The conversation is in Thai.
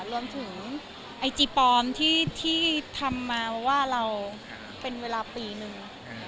รวมถึงไอจีปลอมที่ทำมาว่าเราเป็นเวลาปีนึง